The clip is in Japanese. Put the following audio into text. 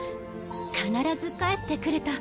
「必ず帰ってくる」と。